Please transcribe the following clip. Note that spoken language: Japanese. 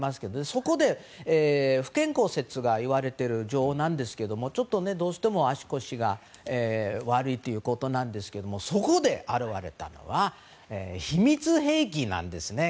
そこで不健康説がいわれている女王なんですがどうしても足腰が悪いということなんですけどそこで現れたのは秘密兵器なんですね。